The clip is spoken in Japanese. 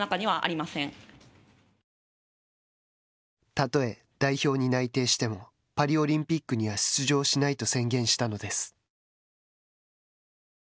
たとえ代表に内定してもパリオリンピックには出場しないと宣言したのです。